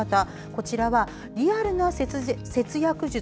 こちらはリアルな節約術